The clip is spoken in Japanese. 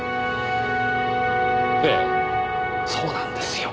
ええそうなんですよ。